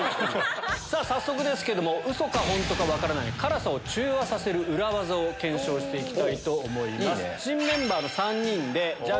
さぁ早速ですけれどもウソかホントか分からない辛さを中和させる裏技を検証していきたいと思います。